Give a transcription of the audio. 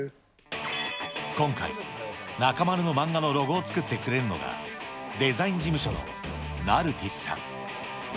今回、中丸の漫画のロゴを作ってくれるのが、デザイン事務所のナルティスさん。